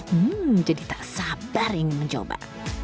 hmm jadi tak sabar ingin mencoba